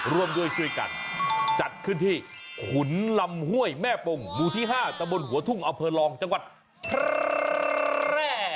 ร่วมด้วยช่วยกันจัดขึ้นที่ขุนลำห้วยแม่ปงหมู่ที่๕ตะบนหัวทุ่งอำเภอรองจังหวัดแพร่